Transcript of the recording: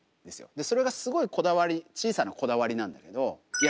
それがすごいこだわり小さなこだわりなんだけどいや